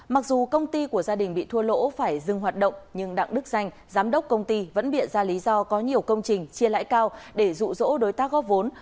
mặc dù công ty của gia đình bị thua lỗ phải dừng hoạt động nhưng đặng đức danh giám đốc công ty vẫn bịa ra lý do có nhiều công trình chia lãi cao để rụ rỗ đối tác góp vốn